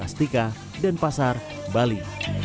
astika dan pasar bali